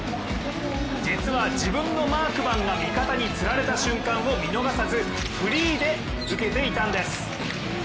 実は自分のマークマンが味方につられた瞬間を見逃さずフリーで受けていたんです。